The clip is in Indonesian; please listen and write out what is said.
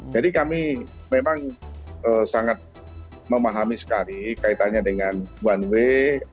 jadi kami memang sangat memahami sekali kaitannya dengan one way